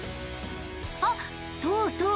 あっそうそう。